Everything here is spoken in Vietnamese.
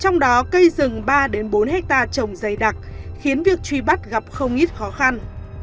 trong đó cây rừng ba bốn hectare trồng dày đặc khiến việc truy bắt gặp không ít khó khăn